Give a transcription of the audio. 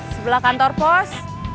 sebelah kantor pos